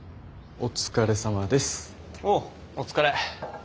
おうお疲れ。